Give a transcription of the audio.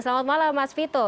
selamat malam mas vito